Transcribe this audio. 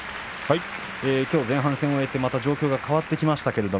前半戦を終えて状況が変わってきました。